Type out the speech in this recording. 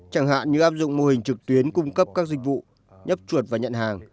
chẳng hạn như áp dụng mô hình trực tuyến cung cấp các dịch vụ nhấp chuột và nhận hàng